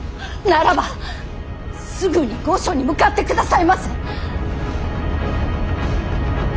ならばすぐに御所に向かってくださいませ！